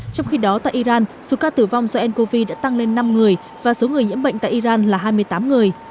trong khi đó tại iran số ca tử vong do ncov đã tăng lên năm người và số người nhiễm bệnh tại iran là hai mươi tám người